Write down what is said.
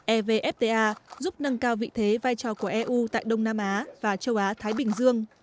evfta giúp nâng cao vị thế vai trò của eu tại đông nam á và châu á thái bình dương